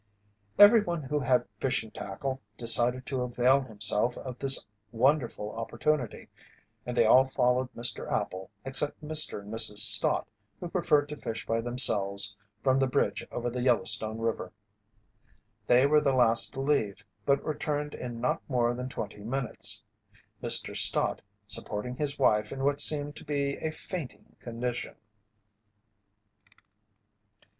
Everyone who had fishing tackle decided to avail himself of this wonderful opportunity, and they all followed Mr. Appel except Mr. and Mrs. Stott, who preferred to fish by themselves from the bridge over the Yellowstone river. They were the last to leave but returned in not more than twenty minutes, Mr. Stott supporting his wife in what seemed to be a fainting condition.